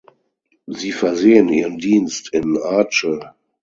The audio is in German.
Sie versehen ihren Dienst in Aceh.